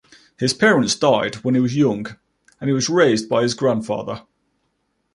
His parents died when he was young and he was raised by his grandfather.